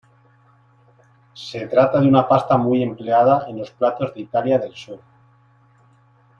Se trata de una pasta muy empleada en los platos de Italia del sur.